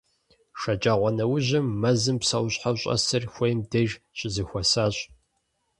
Шэджагъуэнэужьым мэзым псэущхьэу щӀэсыр хуейм деж щызэхуэсащ.